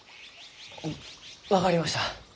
あ分かりました。